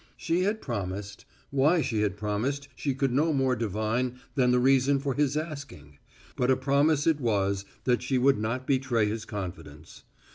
She had promised why she had promised she could no more divine than the reason for his asking; but a promise it was that she would not betray his confidence.